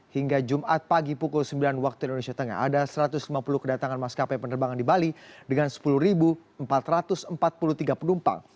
hingga jumat pagi pukul sembilan waktu indonesia tengah ada satu ratus lima puluh kedatangan maskapai penerbangan di bali dengan sepuluh empat ratus empat puluh tiga penumpang